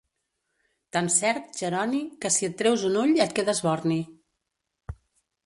Tan cert, Geroni, que si et treus un ull et quedes borni.